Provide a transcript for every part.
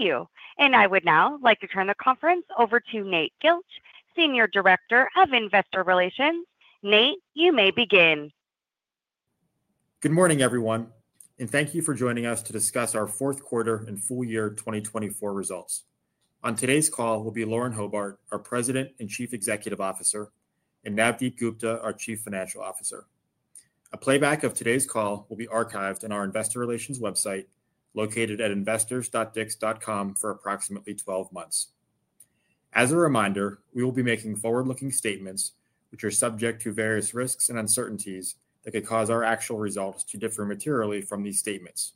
Thank you. I would now like to turn the conference over to Nate Gilch, Senior Director of Investor Relations. Nate, you may begin. Good morning, everyone, and thank you for joining us to discuss our Q4 and Full Year 2024 results. On today's call will be Lauren Hobart, our President and Chief Executive Officer, and Navdeep Gupta, our Chief Financial Officer. A playback of today's call will be archived on our Investor Relations website located at investors.dicks.com for approximately 12 months. As a reminder, we will be making forward-looking statements, which are subject to various risks and uncertainties that could cause our actual results to differ materially from these statements.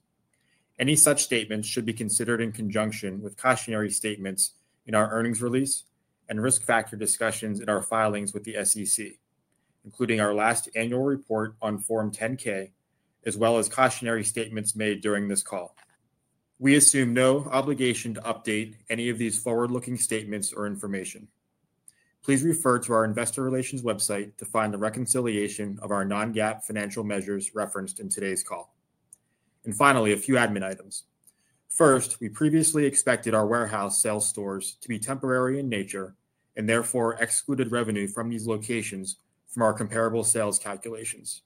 Any such statements should be considered in conjunction with cautionary statements in our earnings release and risk factor discussions in our filings with the SEC, including our last annual report on Form 10-K, as well as cautionary statements made during this call. We assume no obligation to update any of these forward-looking statements or information. Please refer to our Investor Relations website to find the reconciliation of our non-GAAP financial measures referenced in today's call. Finally, a few admin items. First, we previously expected our warehouse sales stores to be temporary in nature and therefore excluded revenue from these locations from our comparable sales calculations.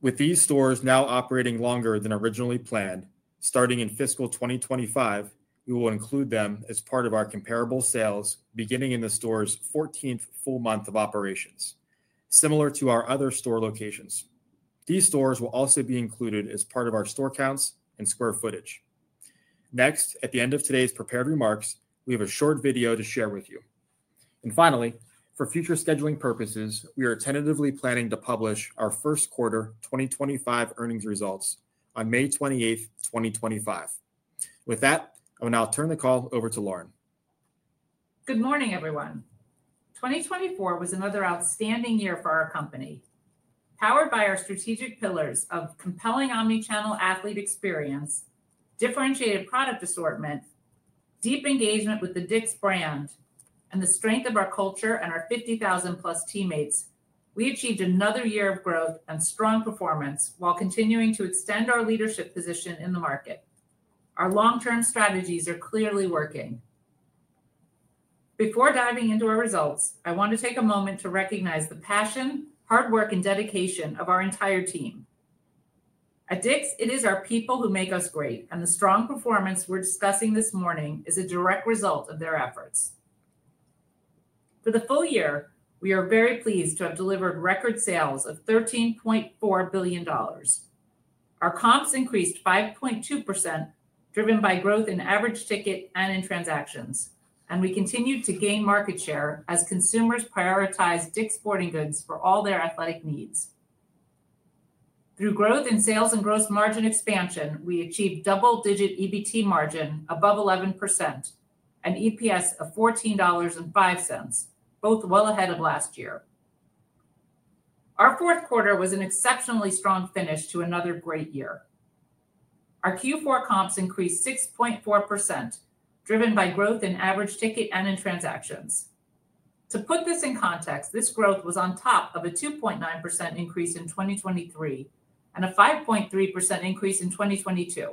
With these stores now operating longer than originally planned, starting in fiscal 2025, we will include them as part of our comparable sales beginning in the store's 14th full month of operations, similar to our other store locations. These stores will also be included as part of our store counts and square footage. Next, at the end of today's prepared remarks, we have a short video to share with you. Finally, for future scheduling purposes, we are tentatively planning to publish our Q1 2025 earnings results on 28 May 2025. With that, I will now turn the call over to Lauren. Good morning, everyone. 2024 was another outstanding year for our company, powered by our strategic pillars of compelling omnichannel athlete experience, differentiated product assortment, deep engagement with the Dick's brand, and the strength of our culture and our 50,000-plus teammates. We achieved another year of growth and strong performance while continuing to extend our leadership position in the market. Our long-term strategies are clearly working. Before diving into our results, I want to take a moment to recognize the passion, hard work, and dedication of our entire team. At Dick's, it is our people who make us great, and the strong performance we're discussing this morning is a direct result of their efforts. For the full year, we are very pleased to have delivered record sales of $13.4 billion. Our comps increased 5.2%, driven by growth in average ticket and in transactions, and we continue to gain market share as consumers prioritize DICK'S Sporting Goods for all their athletic needs. Through growth in sales and gross margin expansion, we achieved double-digit EBT margin above 11% and EPS of $14.05, both well ahead of last year. Our Q4 was an exceptionally strong finish to another great year. Our Q4 comps increased 6.4%, driven by growth in average ticket and in transactions. To put this in context, this growth was on top of a 2.9% increase in 2023 and a 5.3% increase in 2022.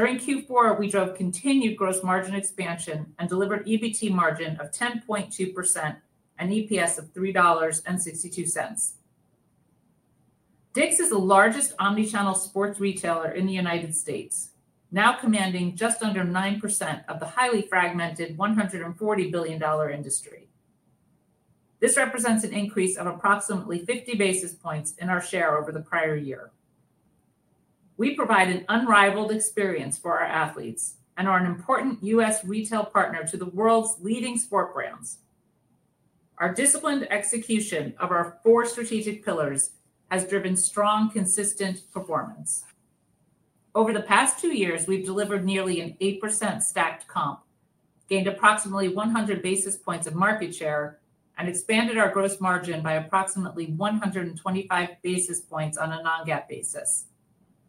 During Q4, we drove continued gross margin expansion and delivered EBT margin of 10.2% and EPS of $3.62. DICK'S is the largest omnichannel sports retailer in the United States, now commanding just under 9% of the highly fragmented $140 billion industry. This represents an increase of approximately 50 basis points in our share over the prior year. We provide an unrivaled experience for our athletes and are an important U.S. retail partner to the world's leading sport brands. Our disciplined execution of our four strategic pillars has driven strong, consistent performance. Over the past two years, we've delivered nearly an 8% stacked comp, gained approximately 100 basis points of market share, and expanded our gross margin by approximately 125 basis points on a non-GAAP basis.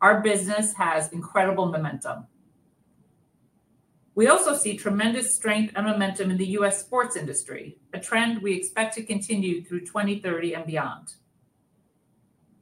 Our business has incredible momentum. We also see tremendous strength and momentum in the U.S. sports industry, a trend we expect to continue through 2030 and beyond.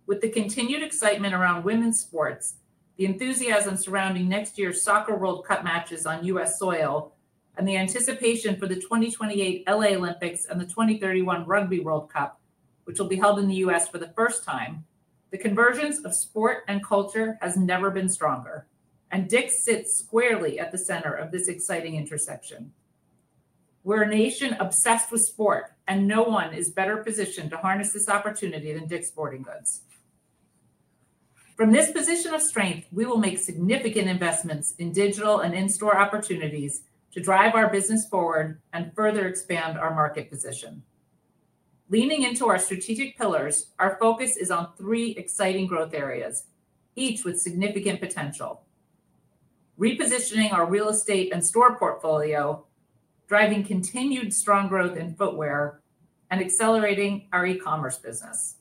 With the continued excitement around women's sports, the enthusiasm surrounding next year's soccer World Cup matches on U.S. soil, and the anticipation for the 2028 Los Angeles Olympics and the 2031 Rugby World Cup, which will be held in the U.S. for the first time, the convergence of sport and culture has never been stronger, and Dick's sits squarely at the center of this exciting intersection. We're a nation obsessed with sport, and no one is better positioned to harness this opportunity than Dick's Sporting Goods. From this position of strength, we will make significant investments in digital and in-store opportunities to drive our business forward and further expand our market position. Leaning into our strategic pillars, our focus is on three exciting growth areas, each with significant potential: repositioning our real estate and store portfolio, driving continued strong growth in footwear, and accelerating our e-commerce business.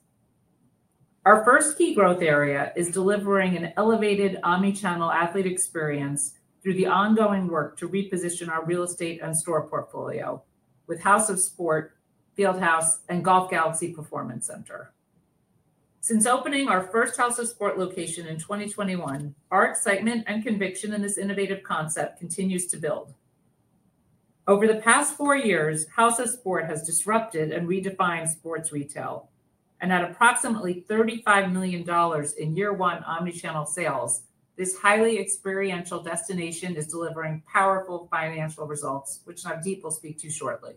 Our first key growth area is delivering an elevated omnichannel athlete experience through the ongoing work to reposition our real estate and store portfolio with House of Sport, Field House, and Golf Galaxy Performance Center. Since opening our first House of Sport location in 2021, our excitement and conviction in this innovative concept continues to build. Over the past four years, House of Sport has disrupted and redefined sports retail, and at approximately $35 million in year-one omnichannel sales, this highly experiential destination is delivering powerful financial results, which Navdeep will speak to shortly.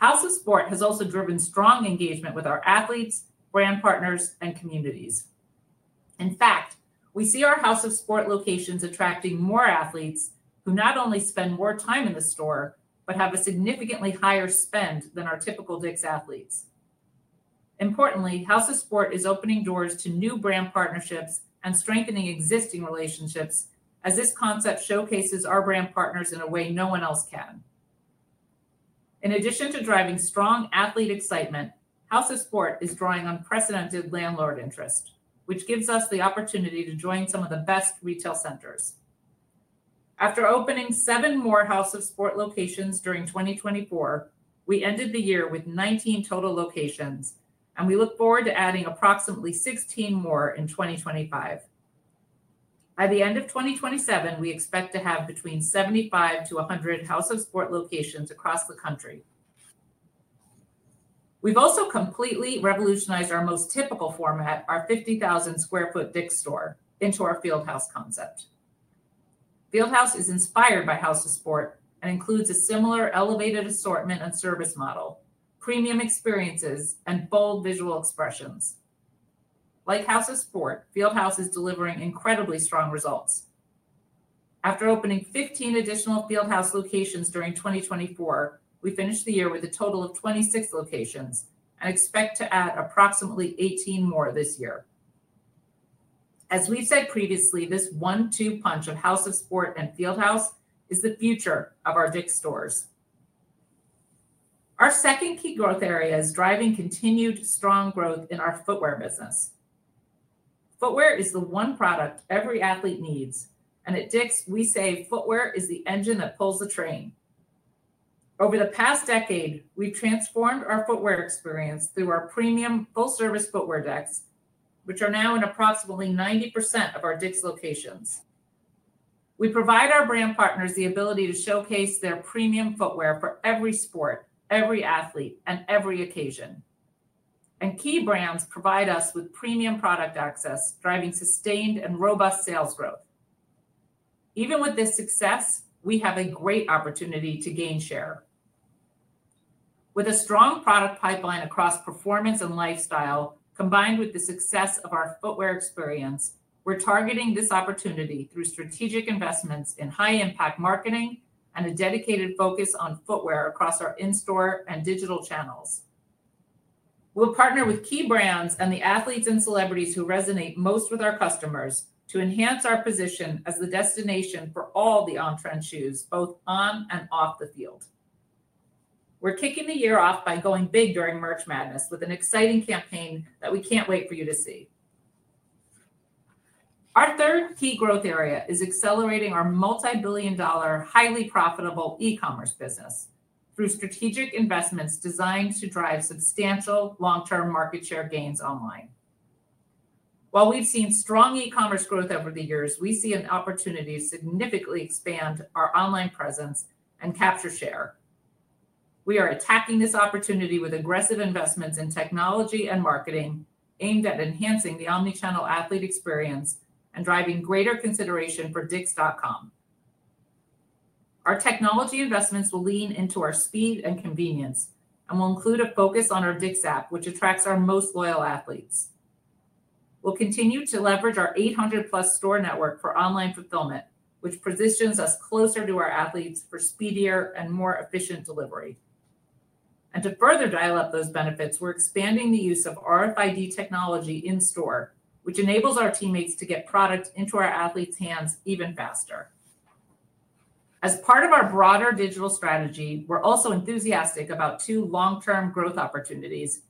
House of Sport has also driven strong engagement with our athletes, brand partners, and communities. In fact, we see our House of Sport locations attracting more athletes who not only spend more time in the store, but have a significantly higher spend than our typical Dick's athletes. Importantly, House of Sport is opening doors to new brand partnerships and strengthening existing relationships, as this concept showcases our brand partners in a way no one else can. In addition to driving strong athlete excitement, House of Sport is drawing unprecedented landlord interest, which gives us the opportunity to join some of the best retail centers. After opening seven more House of Sport locations during 2024, we ended the year with 19 total locations, and we look forward to adding approximately 16 more in 2025. By the end of 2027, we expect to have between 75-100 House of Sport locations across the country. We've also completely revolutionized our most typical format, our 50,000 sq ft Dick's store, into our FieldHouse concept. FieldHouse is inspired by House of Sport and includes a similar elevated assortment and service model, premium experiences, and bold visual expressions. Like House of Sport, FieldHouse is delivering incredibly strong results. After opening 15 additional FieldHouse locations during 2024, we finished the year with a total of 26 locations and expect to add approximately 18 more this year. As we've said previously, this one-two punch of House of Sport and FieldHouse is the future of our Dick's stores. Our second key growth area is driving continued strong growth in our footwear business. Footwear is the one product every athlete needs, and at Dick's, we say footwear is the engine that pulls the train. Over the past decade, we've transformed our footwear experience through our premium full-service footwear decks, which are now in approximately 90% of our Dick's locations. We provide our brand partners the ability to showcase their premium footwear for every sport, every athlete, and every occasion. Key brands provide us with premium product access, driving sustained and robust sales growth. Even with this success, we have a great opportunity to gain share. With a strong product pipeline across performance and lifestyle, combined with the success of our footwear experience, we're targeting this opportunity through strategic investments in high-impact marketing and a dedicated focus on footwear across our in-store and digital channels. We'll partner with key brands and the athletes and celebrities who resonate most with our customers to enhance our position as the destination for all the on-trend shoes, both on and off the field. We're kicking the year off by going big during March Madness with an exciting campaign that we can't wait for you to see. Our third key growth area is accelerating our multi-billion dollar, highly profitable e-commerce business through strategic investments designed to drive substantial long-term market share gains online. While we've seen strong e-commerce growth over the years, we see an opportunity to significantly expand our online presence and capture share. We are attacking this opportunity with aggressive investments in technology and marketing aimed at enhancing the omnichannel athlete experience and driving greater consideration for Dick's.com. Our technology investments will lean into our speed and convenience and will include a focus on our Dick's app, which attracts our most loyal athletes. We'll continue to leverage our 800-plus store network for online fulfillment, which positions us closer to our athletes for speedier and more efficient delivery. To further dial up those benefits, we're expanding the use of RFID technology in-store, which enables our teammates to get product into our athletes' hands even faster. As part of our broader digital strategy, we're also enthusiastic about two long-term growth opportunities: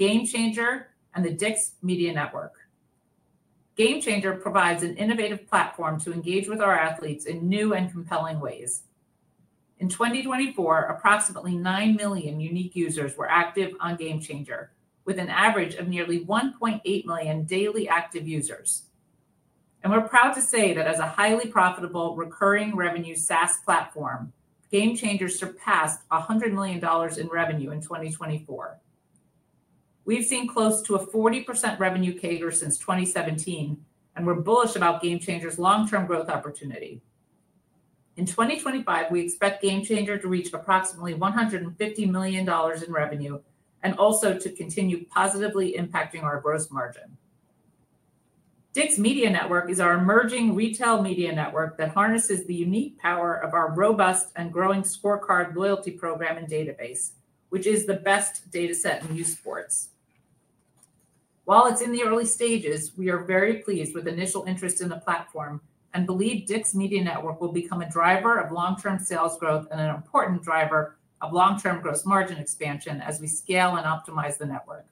GameChanger and the DICK'S Media Network. GameChanger provides an innovative platform to engage with our athletes in new and compelling ways. In 2024, approximately 9 million unique users were active on GameChanger, with an average of nearly 1.8 million daily active users. We are proud to say that as a highly profitable, recurring revenue SaaS platform, GameChanger surpassed $100 million in revenue in 2024. We have seen close to a 40% revenue CAGR since 2017, and we are bullish about GameChanger's long-term growth opportunity. In 2025, we expect GameChanger to reach approximately $150 million in revenue and also to continue positively impacting our gross margin. DICK'S Media Network is our emerging retail media network that harnesses the unique power of our robust and growing ScoreCard loyalty program and database, which is the best data set in youth sports. While it's in the early stages, we are very pleased with initial interest in the platform and believe DICK'S Media Network will become a driver of long-term sales growth and an important driver of long-term gross margin expansion as we scale and optimize the network.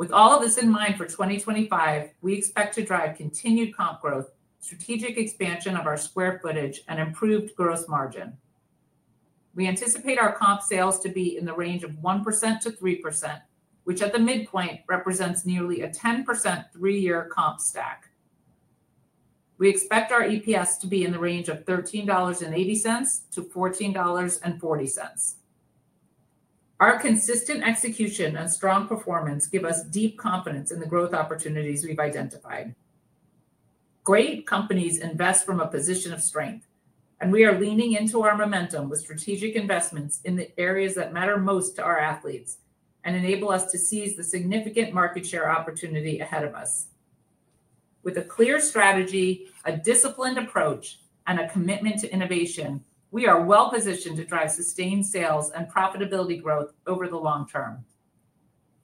With all of this in mind for 2025, we expect to drive continued comp growth, strategic expansion of our square footage, and improved gross margin. We anticipate our comp sales to be in the range of 1% to 3%, which at the midpoint represents nearly a 10% three-year comp stack. We expect our EPS to be in the range of $13.80 to $14.40. Our consistent execution and strong performance give us deep confidence in the growth opportunities we've identified. Great companies invest from a position of strength, and we are leaning into our momentum with strategic investments in the areas that matter most to our athletes and enable us to seize the significant market share opportunity ahead of us. With a clear strategy, a disciplined approach, and a commitment to innovation, we are well positioned to drive sustained sales and profitability growth over the long term.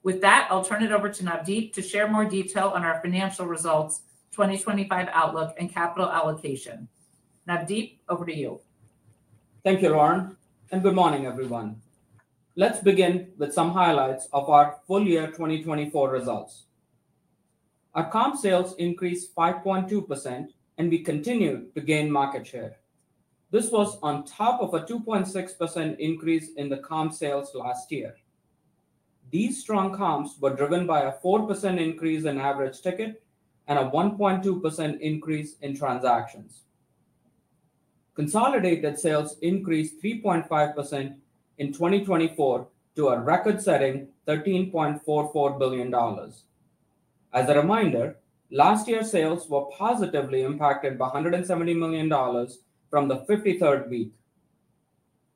With that, I'll turn it over to Navdeep to share more detail on our financial results, 2025 outlook, and capital allocation. Navdeep, over to you. Thank you, Lauren, and good morning, everyone. Let's begin with some highlights of our full year 2024 results. Our comp sales increased 5.2%, and we continued to gain market share. This was on top of a 2.6% increase in the comp sales last year. These strong comps were driven by a 4% increase in average ticket and a 1.2% increase in transactions. Consolidated sales increased 3.5% in 2024 to a record-setting $13.44 billion. As a reminder, last year's sales were positively impacted by $170 million from the 53rd week.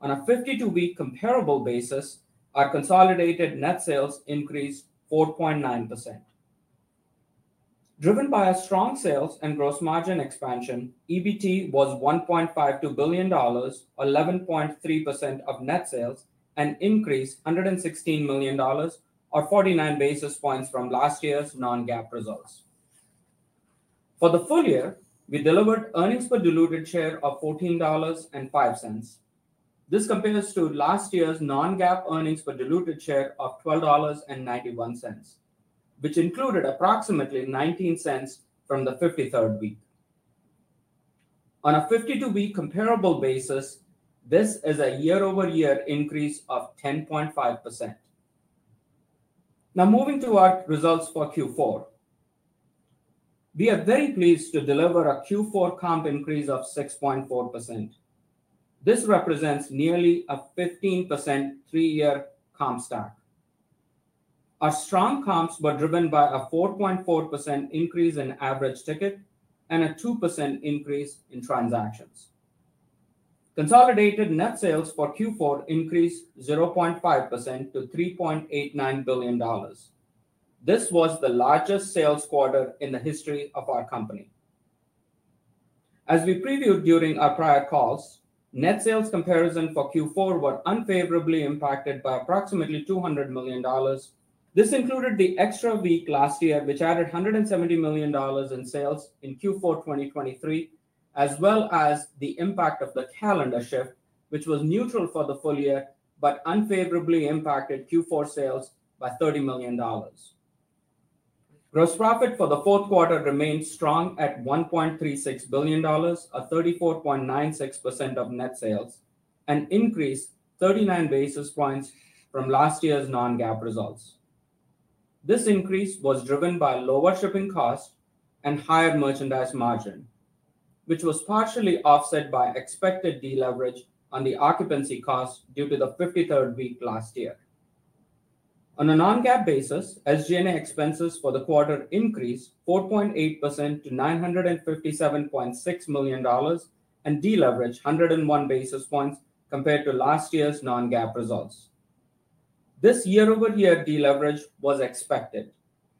On a 52-week comparable basis, our consolidated net sales increased 4.9%. Driven by our strong sales and gross margin expansion, EBT was $1.52 billion, 11.3% of net sales, and increased $116 million, or 49 basis points, from last year's non-GAAP results. For the full year, we delivered earnings per diluted share of $14.05. This compares to last year's non-GAAP earnings per diluted share of $12.91, which included approximately $0.19 from the 53rd week. On a 52-week comparable basis, this is a year-over-year increase of 10.5%. Now, moving to our results for Q4, we are very pleased to deliver a Q4 comp increase of 6.4%. This represents nearly a 15% three-year comp stack. Our strong comps were driven by a 4.4% increase in average ticket and a 2% increase in transactions. Consolidated net sales for Q4 increased 0.5% to $3.89 billion. This was the largest sales quarter in the history of our company. As we previewed during our prior calls, net sales comparison for Q4 were unfavorably impacted by approximately $200 million. This included the extra week last year, which added $170 million in sales in Q4 2023, as well as the impact of the calendar shift, which was neutral for the full year, but unfavorably impacted Q4 sales by $30 million. Gross profit for the fourth quarter remained strong at $1.36 billion, a 34.96% of net sales, an increase of 39 basis points from last year's non-GAAP results. This increase was driven by lower shipping costs and higher merchandise margin, which was partially offset by expected deleverage on the occupancy costs due to the 53rd week last year. On a non-GAAP basis, SG&A expenses for the quarter increased 4.8% to $957.6 million and deleveraged 101 basis points compared to last year's non-GAAP results. This year-over-year deleverage was expected,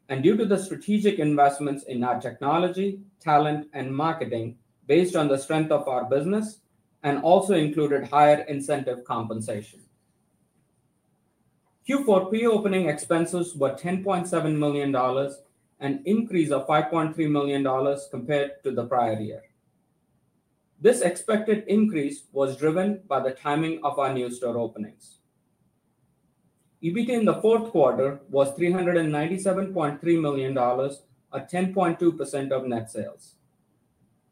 and due to the strategic investments in our technology, talent, and marketing based on the strength of our business, and also included higher incentive compensation. Q4 pre-opening expenses were $10.7 million and increased $5.3 million compared to the prior year. This expected increase was driven by the timing of our new store openings. EBT in the Q4 was $397.3 million, a 10.2% of net sales.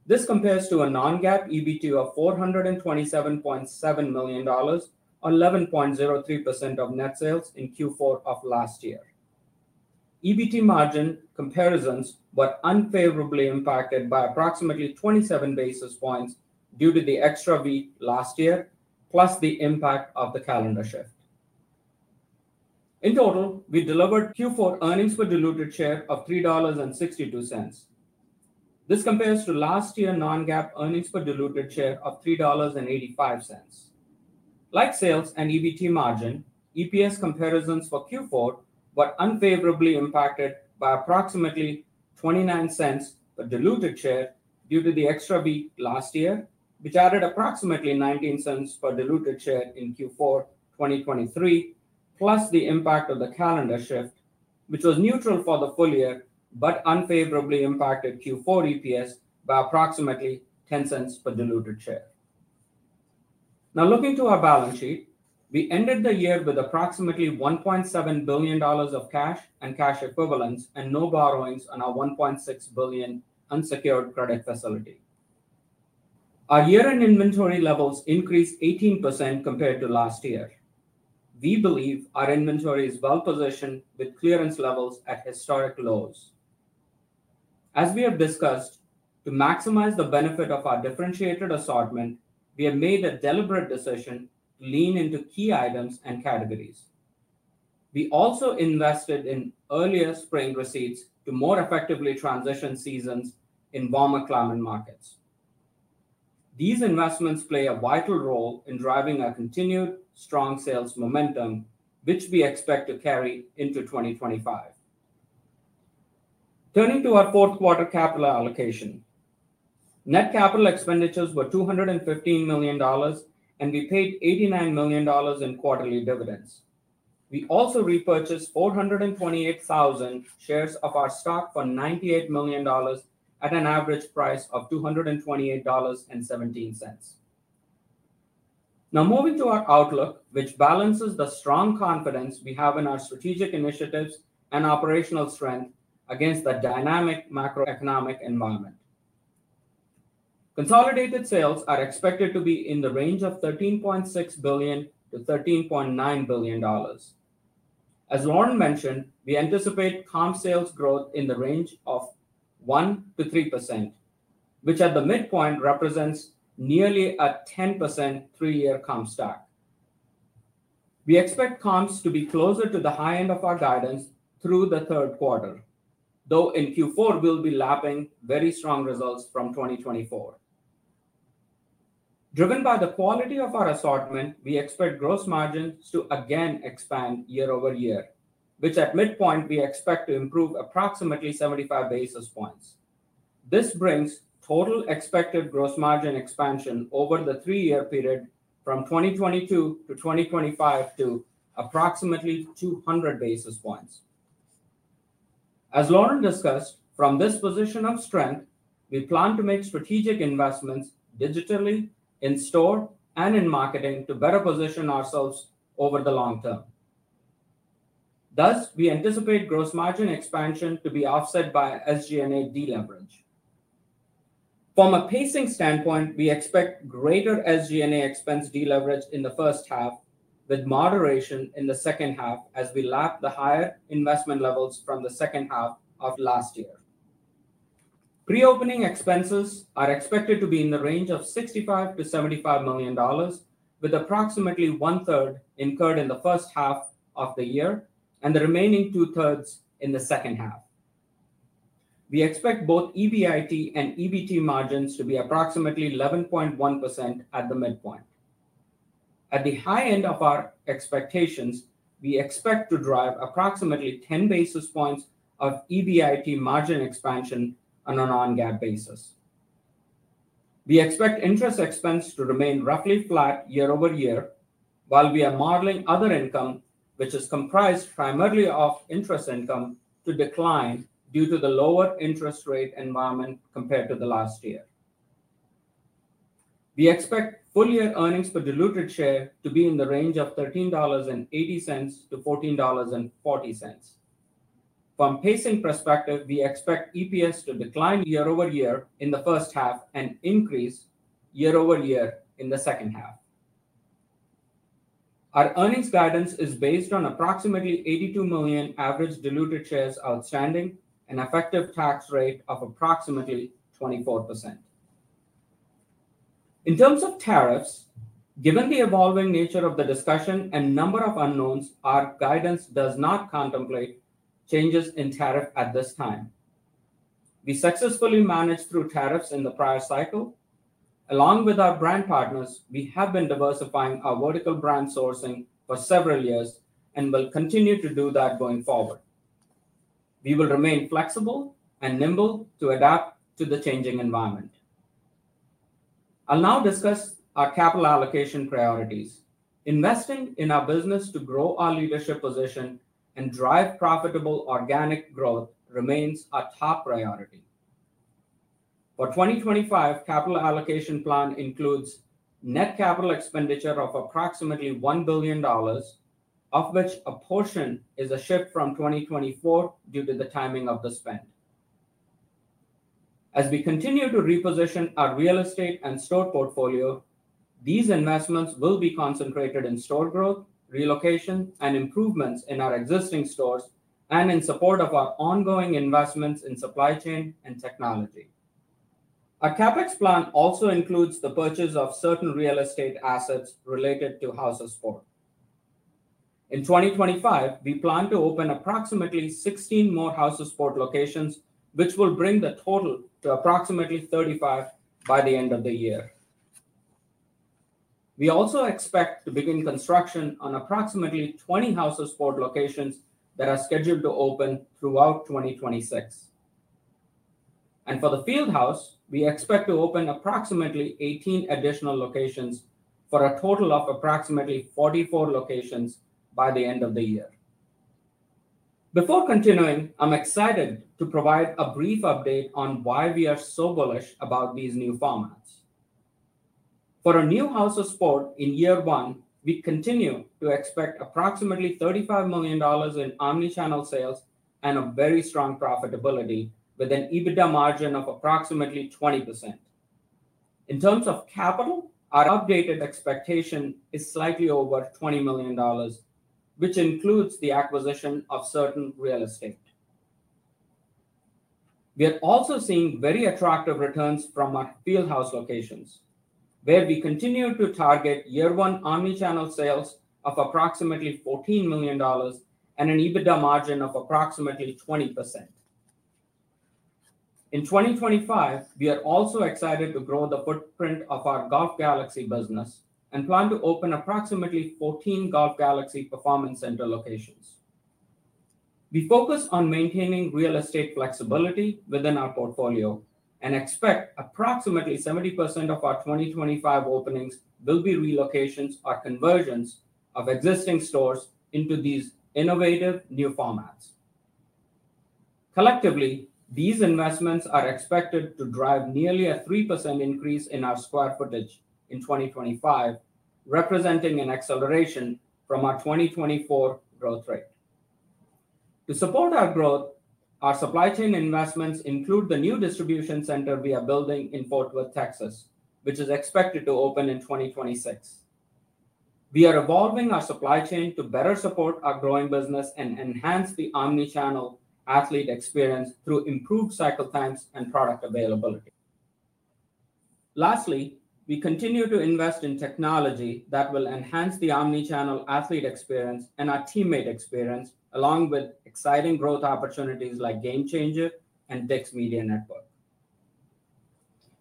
This compares to a non-GAAP EBT of $427.7 million, 11.03% of net sales in Q4 of last year. EBT margin comparisons were unfavorably impacted by approximately 27 basis points due to the extra week last year, plus the impact of the calendar shift. In total, we delivered Q4 earnings per diluted share of $3.62. This compares to last year's non-GAAP earnings per diluted share of $3.85. Like sales and EBT margin, EPS comparisons for Q4 were unfavorably impacted by approximately $0.29 per diluted share due to the extra week last year, which added approximately $0.19 per diluted share in Q4 2023, plus the impact of the calendar shift, which was neutral for the full year, but unfavorably impacted Q4 EPS by approximately $0.10 per diluted share. Now, looking to our balance sheet, we ended the year with approximately $1.7 billion of cash and cash equivalents and no borrowings on our $1.6 billion unsecured credit facility. Our year-end inventory levels increased 18% compared to last year. We believe our inventory is well positioned with clearance levels at historic lows. As we have discussed, to maximize the benefit of our differentiated assortment, we have made a deliberate decision to lean into key items and categories. We also invested in earlier spring receipts to more effectively transition seasons in warmer climate markets. These investments play a vital role in driving our continued strong sales momentum, which we expect to carry into 2025. Turning to our fourth quarter capital allocation, net capital expenditures were $215 million, and we paid $89 million in quarterly dividends. We also repurchased 428,000 shares of our stock for $98 million at an average price of $228.17. Now, moving to our outlook, which balances the strong confidence we have in our strategic initiatives and operational strength against the dynamic macroeconomic environment. Consolidated sales are expected to be in the range of $13.6 billion-$13.9 billion. As Lauren mentioned, we anticipate comp sales growth in the range of 1%-3%, which at the midpoint represents nearly a 10% three-year comp stack. We expect comps to be closer to the high end of our guidance through the third quarter, though in Q4, we will be lapping very strong results from 2024. Driven by the quality of our assortment, we expect gross margins to again expand year-over-year, which at midpoint we expect to improve approximately 75 basis points. This brings total expected gross margin expansion over the three-year period from 2022 to 2025 to approximately 200 basis points. As Lauren discussed, from this position of strength, we plan to make strategic investments digitally, in store, and in marketing to better position ourselves over the long term. Thus, we anticipate gross margin expansion to be offset by SG&A deleverage. From a pacing standpoint, we expect greater SG&A expense deleverage in the first half, with moderation in the second half as we lap the higher investment levels from the second half of last year. Pre-opening expenses are expected to be in the range of $65 to $75 million, with approximately one-third incurred in the first half of the year and the remaining two-thirds in the second half. We expect both EBIT and EBT margins to be approximately 11.1% at the midpoint. At the high end of our expectations, we expect to drive approximately 10 basis points of EBIT margin expansion on a non-GAAP basis. We expect interest expense to remain roughly flat year-over-year while we are modeling other income, which is comprised primarily of interest income, to decline due to the lower interest rate environment compared to the last year. We expect full year earnings per diluted share to be in the range of $13.80 to $14.40. From pacing perspective, we expect EPS to decline year-over-year in the first half and increase year-over-year in the second half. Our earnings guidance is based on approximately 82 million average diluted shares outstanding, an effective tax rate of approximately 24%. In terms of tariffs, given the evolving nature of the discussion and number of unknowns, our guidance does not contemplate changes in tariff at this time. We successfully managed through tariffs in the prior cycle. Along with our brand partners, we have been diversifying our vertical brand sourcing for several years and will continue to do that going forward. We will remain flexible and nimble to adapt to the changing environment. I'll now discuss our capital allocation priorities. Investing in our business to grow our leadership position and drive profitable organic growth remains our top priority. Our 2025 capital allocation plan includes net capital expenditure of approximately $1 billion, of which a portion is a shift from 2024 due to the timing of the spend. As we continue to reposition our real estate and store portfolio, these investments will be concentrated in store growth, relocation, and improvements in our existing stores and in support of our ongoing investments in supply chain and technology. Our CapEx plan also includes the purchase of certain real estate assets related to House of Sport. In 2025, we plan to open approximately 16 more House of Sport locations, which will bring the total to approximately 35 by the end of the year. We also expect to begin construction on approximately 20 House of Sport locations that are scheduled to open throughout 2026. For the Fieldhouse, we expect to open approximately 18 additional locations for a total of approximately 44 locations by the end of the year. Before continuing, I'm excited to provide a brief update on why we are so bullish about these new formats. For a new House of Sport in year one, we continue to expect approximately $35 million in omnichannel sales and a very strong profitability with an EBITDA margin of approximately 20%. In terms of capital, our updated expectation is slightly over $20 million, which includes the acquisition of certain real estate. We are also seeing very attractive returns from our FieldHouse locations, where we continue to target year-one omnichannel sales of approximately $14 million and an EBITDA margin of approximately 20%. In 2025, we are also excited to grow the footprint of our Golf Galaxy business and plan to open approximately 14 Golf Galaxy Performance Center locations. We focus on maintaining real estate flexibility within our portfolio and expect approximately 70% of our 2025 openings will be relocations or conversions of existing stores into these innovative new formats. Collectively, these investments are expected to drive nearly a 3% increase in our square footage in 2025, representing an acceleration from our 2024 growth rate. To support our growth, our supply chain investments include the new distribution center we are building in Fort Worth, Texas, which is expected to open in 2026. We are evolving our supply chain to better support our growing business and enhance the omnichannel athlete experience through improved cycle times and product availability. Lastly, we continue to invest in technology that will enhance the omnichannel athlete experience and our teammate experience, along with exciting growth opportunities like GameChanger and DICK'S Media Network.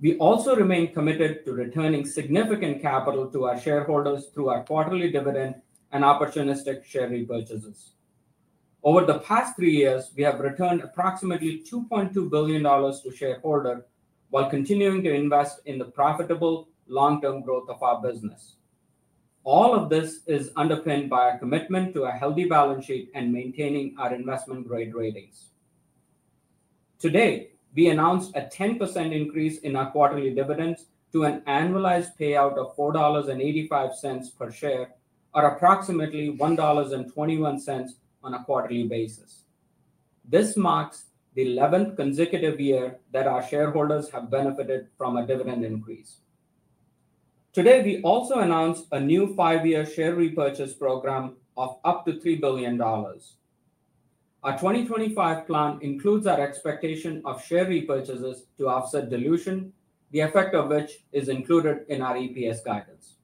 We also remain committed to returning significant capital to our shareholders through our quarterly dividend and opportunistic share repurchases. Over the past three years, we have returned approximately $2.2 billion to shareholders while continuing to invest in the profitable long-term growth of our business. All of this is underpinned by our commitment to a healthy balance sheet and maintaining our investment-grade ratings. Today, we announced a 10% increase in our quarterly dividends to an annualized payout of $4.85 per share, or approximately $1.21 on a quarterly basis. This marks the 11th consecutive year that our shareholders have benefited from a dividend increase. Today, we also announced a new five-year share repurchase program of up to $3 billion. Our 2025 plan includes our expectation of share repurchases to offset dilution, the effect of which is included in our EPS guidance.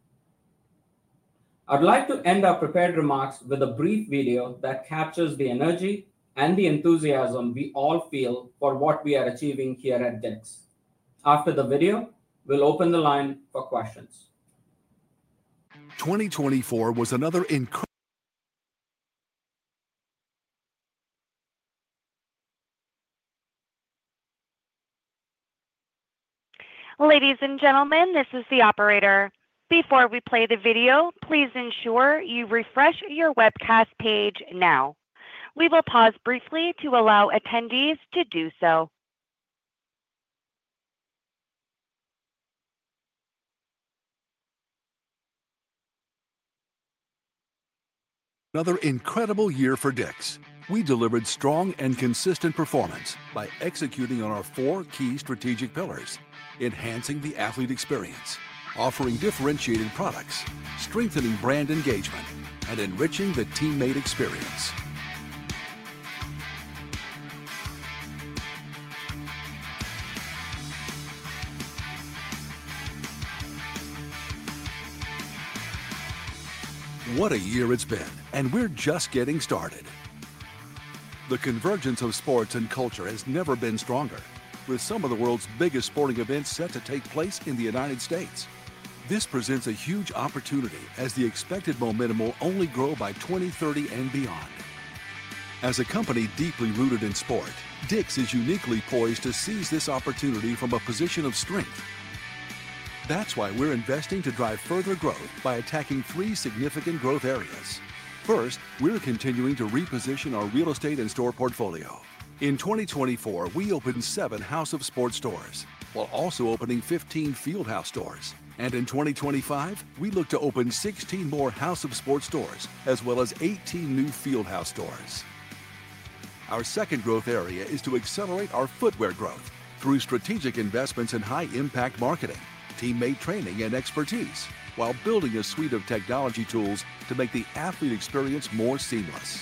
I'd like to end our prepared remarks with a brief video that captures the energy and the enthusiasm we all feel for what we are achieving here at DICK'S. After the video, we'll open the line for questions. 2024 was another incredible. Ladies and gentlemen, this is the operator. Before we play the video, please ensure you refresh your webcast page now. We will pause briefly to allow attendees to do so. Another incredible year for DICK'S. We delivered strong and consistent performance by executing on our four key strategic pillars, enhancing the athlete experience, offering differentiated products, strengthening brand engagement, and enriching the teammate experience. What a year it's been, and we're just getting started. The convergence of sports and culture has never been stronger, with some of the world's biggest sporting events set to take place in the United States. This presents a huge opportunity as the expected momentum will only grow by 2030 and beyond. As a company deeply rooted in sport, DICK'S is uniquely poised to seize this opportunity from a position of strength. That's why we're investing to drive further growth by attacking three significant growth areas. First, we're continuing to reposition our real estate and store portfolio. In 2024, we opened seven House of Sport stores, while also opening 15 Fieldhouse stores. In 2025, we look to open 16 more House of Sport stores, as well as 18 new FieldHouse stores. Our second growth area is to accelerate our footwear growth through strategic investments in high-impact marketing, teammate training, and expertise, while building a suite of technology tools to make the athlete experience more seamless.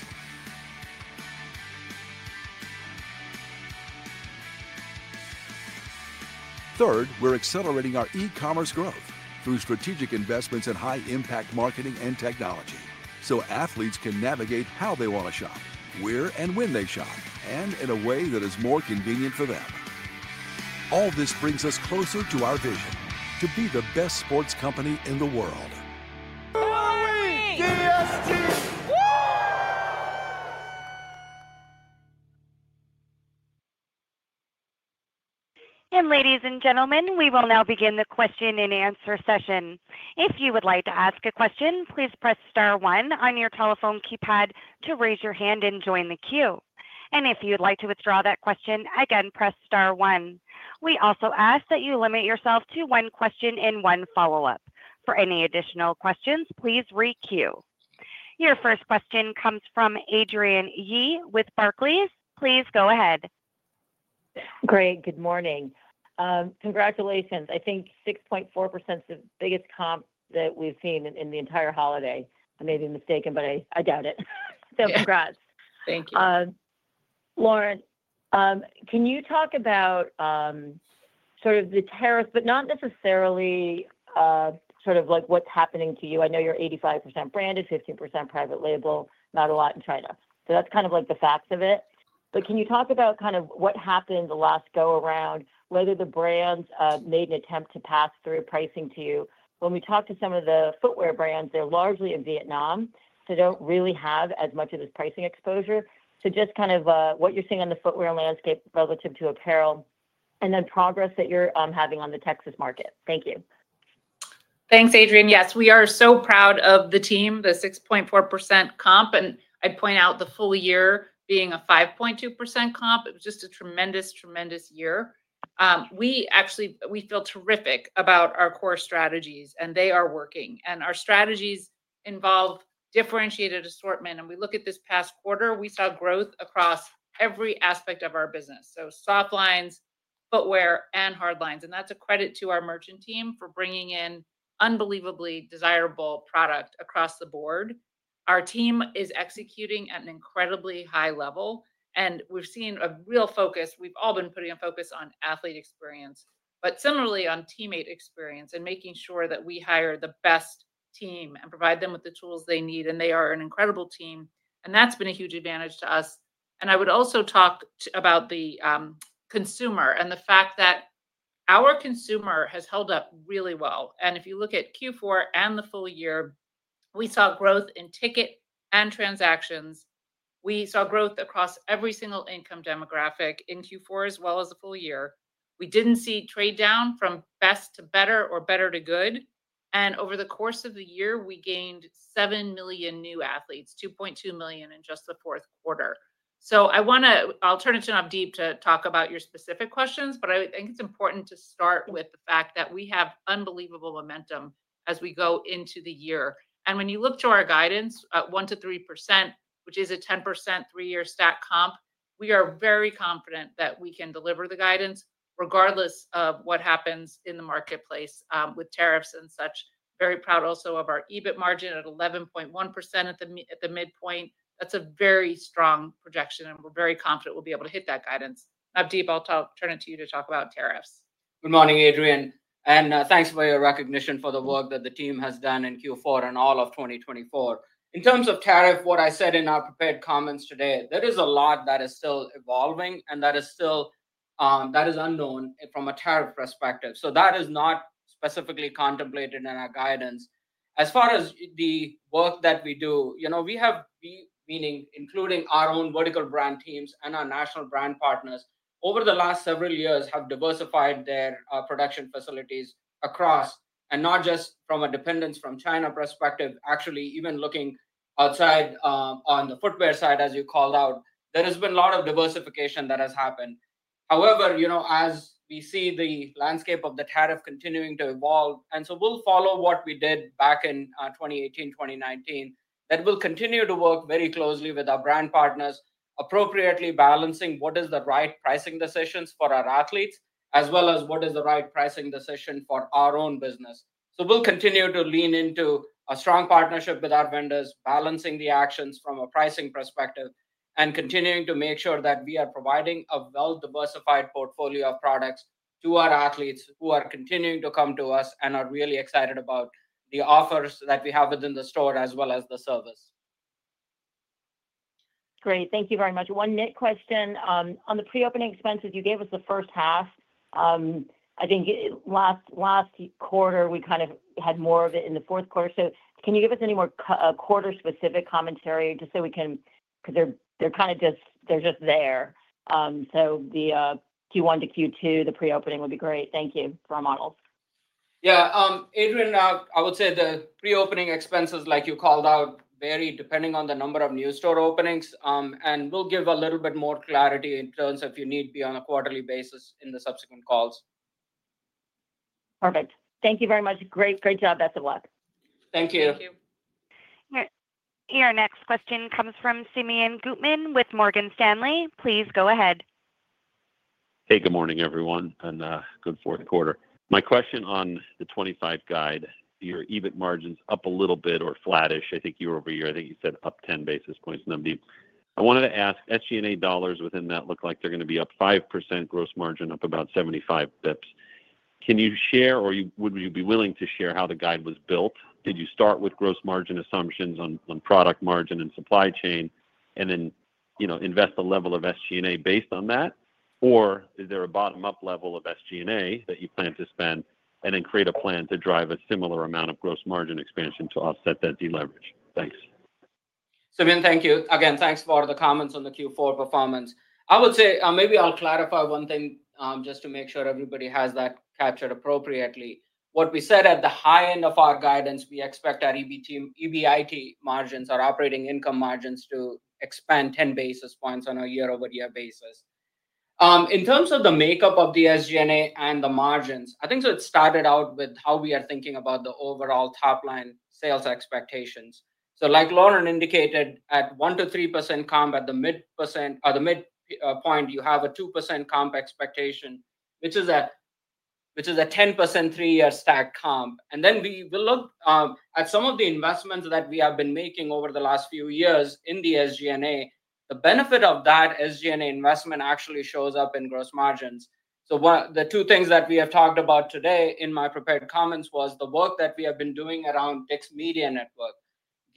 Third, we're accelerating our e-commerce growth through strategic investments in high-impact marketing and technology, so athletes can navigate how they want to shop, where and when they shop, and in a way that is more convenient for them. All this brings us closer to our vision to be the best sports company in the world. Ladies and gentlemen, we will now begin the question and answer session. If you would like to ask a question, please press Star 1 on your telephone keypad to raise your hand and join the queue. If you'd like to withdraw that question, again, press Star 1. We also ask that you limit yourself to one question and one follow-up. For any additional questions, please re-queue. Your first question comes from Adrienne Yih with Barclays. Please go ahead. Great. Good morning. Congratulations. I think 6.4% is the biggest comp that we've seen in the entire holiday. I may be mistaken, but I doubt it. So congrats. Thank you. Lauren, can you talk about sort of the tariffs, but not necessarily sort of what's happening to you? I know you're 85% branded, 15% private label, not a lot in China. That's kind of like the facts of it. Can you talk about kind of what happened the last go-around, whether the brands made an attempt to pass through pricing to you? When we talk to some of the footwear brands, they're largely in Vietnam, so they don't really have as much of this pricing exposure. Just kind of what you're seeing on the footwear landscape relative to apparel and then progress that you're having on the Texas market. Thank you. Thanks, Adrienne. Yes, we are so proud of the team, the 6.4% comp. I'd point out the full year being a 5.2% comp. It was just a tremendous, tremendous year. We actually feel terrific about our core strategies, and they are working. Our strategies involve differentiated assortment. We look at this past quarter, we saw growth across every aspect of our business, soft lines, footwear, and hardlines. That's a credit to our merchant team for bringing in unbelievably desirable product across the board. Our team is executing at an incredibly high level, and we've seen a real focus. We've all been putting a focus on athlete experience, but similarly on teammate experience and making sure that we hire the best team and provide them with the tools they need. They are an incredible team, and that's been a huge advantage to us. I would also talk about the consumer and the fact that our consumer has held up really well. If you look at Q4 and the full year, we saw growth in ticket and transactions. We saw growth across every single income demographic in Q4 as well as the full year. We didn't see trade down from best to better or better to good. Over the course of the year, we gained 7 million new athletes, 2.2 million in just the Q4. I want to—I will turn it to Navdeep to talk about your specific questions, but I think it is important to start with the fact that we have unbelievable momentum as we go into the year. When you look to our guidance at 1% to 3%, which is a 10% three-year stack comp, we are very confident that we can deliver the guidance regardless of what happens in the marketplace with tariffs and such. Very proud also of our EBIT margin at 11.1% at the midpoint. That is a very strong projection, and we are very confident we will be able to hit that guidance. Navdeep, I will turn it to you to talk about tariffs. Good morning, Adrienne. Thanks for your recognition for the work that the team has done in Q4 and all of 2024. In terms of tariff, what I said in our prepared comments today, there is a lot that is still evolving, and that is still—that is unknown from a tariff perspective. That is not specifically contemplated in our guidance. As far as the work that we do, you know, we have—meaning including our own vertical brand teams and our national brand partners—over the last several years, have diversified their production facilities across and not just from a dependence from China perspective. Actually, even looking outside on the footwear side, as you called out, there has been a lot of diversification that has happened. However, you know, as we see the landscape of the tariff continuing to evolve, we will follow what we did back in 2018, 2019, that we will continue to work very closely with our brand partners, appropriately balancing what is the right pricing decisions for our athletes, as well as what is the right pricing decision for our own business. We will continue to lean into a strong partnership with our vendors, balancing the actions from a pricing perspective and continuing to make sure that we are providing a well-diversified portfolio of products to our athletes who are continuing to come to us and are really excited about the offers that we have within the store as well as the service. Great. Thank you very much. One nit question. On the pre-opening expenses, you gave us the first half. I think last quarter, we kind of had more of it in the fourth quarter. Can you give us any more quarter-specific commentary just so we can—because they're kind of just—they're just there. The Q1 to Q2, the pre-opening would be great. Thank you for our models. Yeah. Adrienne, I would say the pre-opening expenses, like you called out, vary depending on the number of new store openings, and we'll give a little bit more clarity in terms of if you need be on a quarterly basis in the subsequent calls. Perfect. Thank you very much. Great, great job. Best of luck. Thank you. Thank you. Your next question comes from Simeon Gutman with Morgan Stanley. Please go ahead. Hey, good morning, everyone, and good fourth quarter. My question on the 2025 guide, your EBIT margin's up a little bit or flattish. I think year over year, I think you said up 10 basis points. Navdeep, I wanted to ask, SG&A dollars within that look like they're going to be up 5%, gross margin, up about 75 basis points. Can you share, or would you be willing to share how the guide was built? Did you start with gross margin assumptions on product margin and supply chain and then invest the level of SG&A based on that? Or is there a bottom-up level of SG&A that you plan to spend and then create a plan to drive a similar amount of gross margin expansion to offset that deleverage? Thanks. Simeon, thank you. Again, thanks for the comments on the Q4 performance. I would say maybe I'll clarify one thing just to make sure everybody has that captured appropriately. What we said at the high end of our guidance, we expect our EBIT margins, our operating income margins to expand 10 basis points on a year-over-year basis. In terms of the makeup of the SG&A and the margins, I think it started out with how we are thinking about the overall top-line sales expectations. Like Lauren indicated, at 1% to 3% comp, at the midpoint, you have a 2% comp expectation, which is a 10% three-year stack comp. We will look at some of the investments that we have been making over the last few years in the SG&A. The benefit of that SG&A investment actually shows up in gross margins. The two things that we have talked about today in my prepared comments was the work that we have been doing around DICK'S Media Network,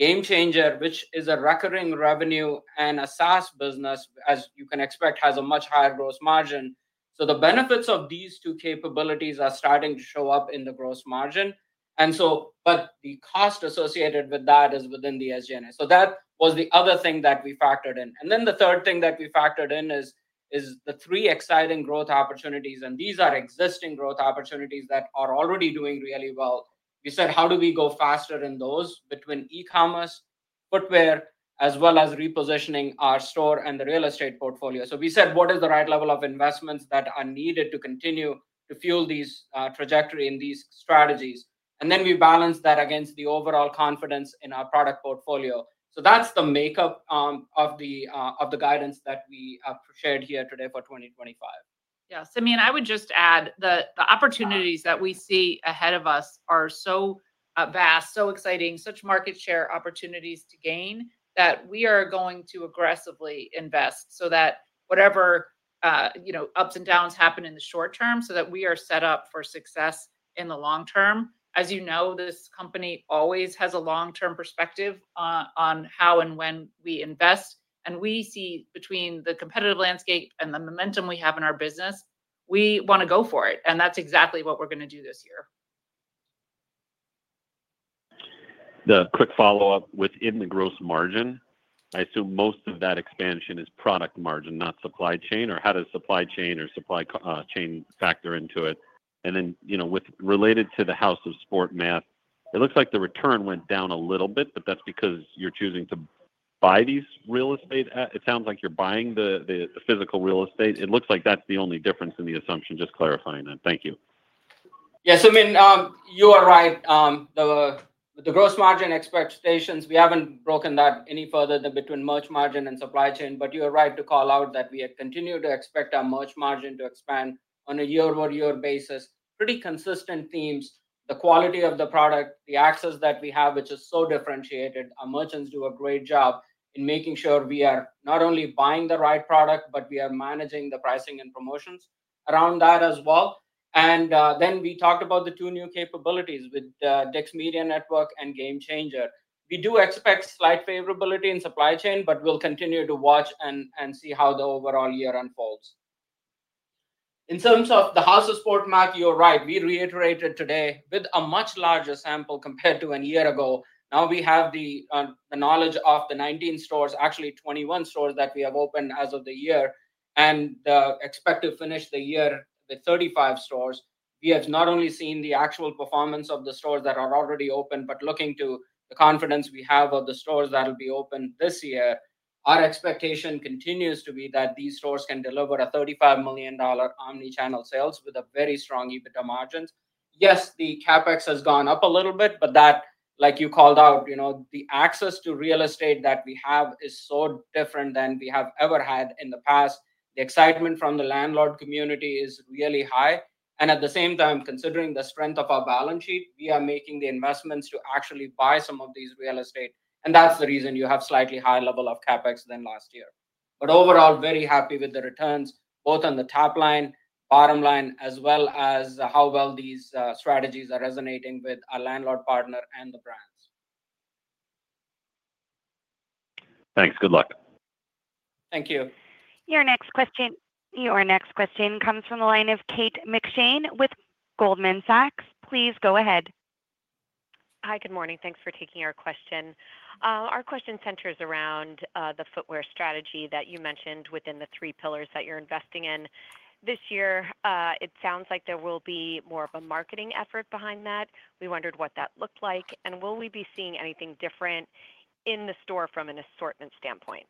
GameChanger, which is a recurring revenue, and a SaaS business, as you can expect, has a much higher gross margin. The benefits of these two capabilities are starting to show up in the gross margin. The cost associated with that is within the SG&A. That was the other thing that we factored in. The third thing that we factored in is the three exciting growth opportunities, and these are existing growth opportunities that are already doing really well. We said, how do we go faster in those between e-commerce, footwear, as well as repositioning our store and the real estate portfolio? We said, what is the right level of investments that are needed to continue to fuel these trajectories in these strategies? Then we balanced that against the overall confidence in our product portfolio. That is the makeup of the guidance that we shared here today for 2025. Yeah. Simeon, I would just add that the opportunities that we see ahead of us are so vast, so exciting, such market share opportunities to gain that we are going to aggressively invest so that whatever ups and downs happen in the short term, we are set up for success in the long term. As you know, this company always has a long-term perspective on how and when we invest. We see between the competitive landscape and the momentum we have in our business, we want to go for it. That is exactly what we are going to do this year. The quick follow-up within the gross margin, I assume most of that expansion is product margin, not supply chain, or how does supply chain or supply chain factor into it? Related to the House of Sport math, it looks like the return went down a little bit, but that is because you are choosing to buy these real estate. It sounds like you are buying the physical real estate. It looks like that is the only difference in the assumption. Just clarifying that. Thank you. Yeah. Simeon, you are right. The gross margin expectations, we have not broken that any further than between merch margin and supply chain. You are right to call out that we continue to expect our merch margin to expand on a year-over-year basis. Pretty consistent themes. The quality of the product, the access that we have, which is so differentiated. Our merchants do a great job in making sure we are not only buying the right product, but we are managing the pricing and promotions around that as well. We talked about the two new capabilities with DICK'S Media Network and GameChanger. We do expect slight favorability in supply chain, but we'll continue to watch and see how the overall year unfolds. In terms of the House of Sport math, you're right. We reiterated today with a much larger sample compared to a year ago. Now we have the knowledge of the 19 stores, actually 21 stores that we have opened as of the year, and expect to finish the year with 35 stores. We have not only seen the actual performance of the stores that are already open, but looking to the confidence we have of the stores that will be open this year, our expectation continues to be that these stores can deliver a $35 million omnichannel sales with very strong EBITDA margins. Yes, the CapEx has gone up a little bit, but that, like you called out, the access to real estate that we have is so different than we have ever had in the past. The excitement from the landlord community is really high. At the same time, considering the strength of our balance sheet, we are making the investments to actually buy some of these real estate. That is the reason you have a slightly higher level of CapEx than last year. Overall, very happy with the returns, both on the top line, bottom line, as well as how well these strategies are resonating with our landlord partner and the brands. Thanks. Good luck. Thank you. Your next question comes from the line of Kate McShane with Goldman Sachs. Please go ahead. Hi, good morning. Thanks for taking our question. Our question centers around the footwear strategy that you mentioned within the three pillars that you're investing in. This year, it sounds like there will be more of a marketing effort behind that. We wondered what that looked like, and will we be seeing anything different in the store from an assortment standpoint?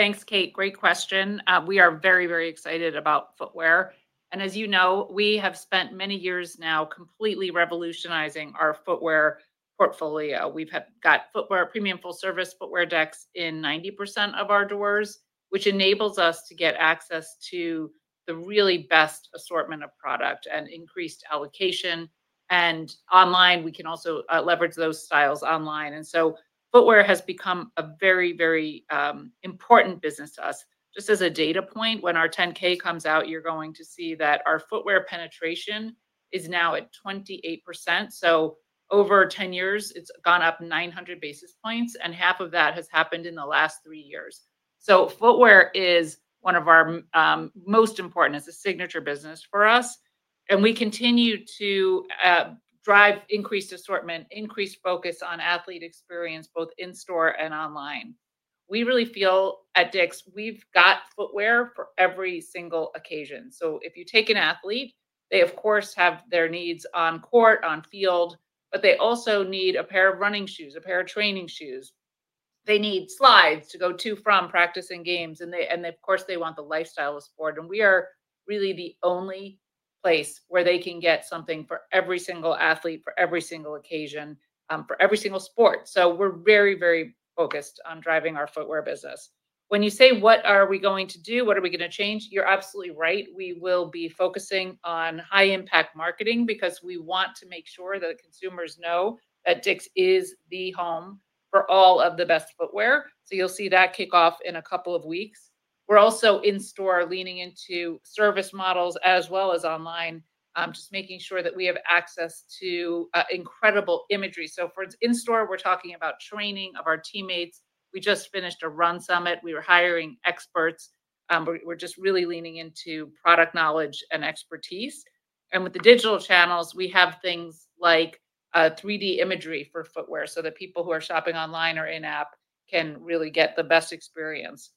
Thanks, Kate. Great question. We are very, very excited about footwear. And as you know, we have spent many years now completely revolutionizing our footwear portfolio. We've got premium full-service footwear decks in 90% of our doors, which enables us to get access to the really best assortment of product and increased allocation. Online, we can also leverage those styles online. Footwear has become a very, very important business to us. Just as a data point, when our 10K comes out, you're going to see that our footwear penetration is now at 28%. Over 10 years, it's gone up 900 basis points, and half of that has happened in the last three years. Footwear is one of our most important as a signature business for us. We continue to drive increased assortment, increased focus on athlete experience both in store and online. We really feel at DICK'S, we've got footwear for every single occasion. If you take an athlete, they, of course, have their needs on court, on field, but they also need a pair of running shoes, a pair of training shoes. They need slides to go to from practicing games. Of course, they want the lifestyle of sport. We are really the only place where they can get something for every single athlete, for every single occasion, for every single sport. We are very, very focused on driving our footwear business. When you say, "What are we going to do? What are we going to change?" you're absolutely right. We will be focusing on high-impact marketing because we want to make sure that consumers know that Dick's is the home for all of the best footwear. You'll see that kick off in a couple of weeks. We're also in store leaning into service models as well as online, just making sure that we have access to incredible imagery. For in-store, we're talking about training of our teammates. We just finished a Run Summit. We were hiring experts. We're just really leaning into product knowledge and expertise. With the digital channels, we have things like 3D imagery for footwear so that people who are shopping online or in-app can really get the best experience.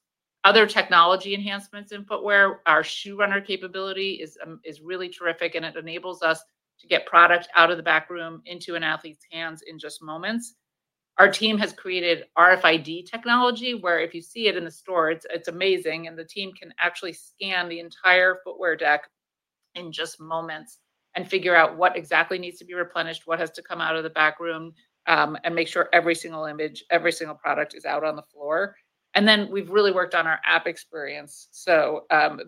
Other technology enhancements in footwear, our Shoe Runner capability is really terrific, and it enables us to get product out of the back room into an athlete's hands in just moments. Our team has created RFID technology where if you see it in the store, it's amazing. The team can actually scan the entire footwear deck in just moments and figure out what exactly needs to be replenished, what has to come out of the back room, and make sure every single image, every single product is out on the floor. We have really worked on our app experience. We are